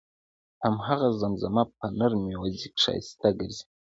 هماغه زمزمه په نر میوزیک ښایسته ګرځي.